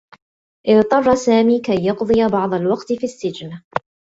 اضطرّ سامي كي يقضي بعض الوقت في السّجن.